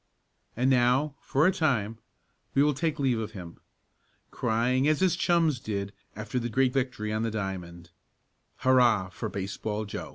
And now, for a time, we will take leave of him, crying as his chums did after the great victory on the diamond: "Hurrah for Baseball Joe!"